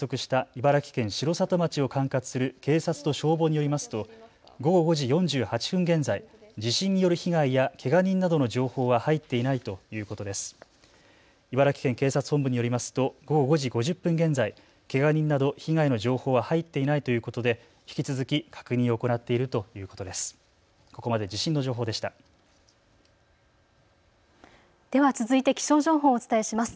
茨城県警察本部によりますと午後５時５０分現在、けが人など被害の情報は入っていないということで引き続き確認を行っているということです。